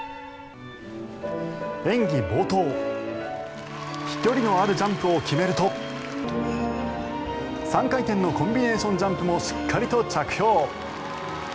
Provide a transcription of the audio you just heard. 演技冒頭飛距離のあるジャンプを決めると３回転のコンビネーションジャンプもしっかりと着氷。